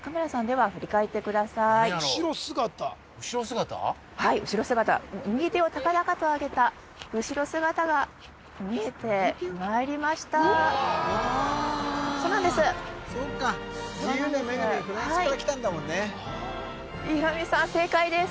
はい後ろ姿右手を高々とあげた後ろ姿が見えてまいりましたそうなんです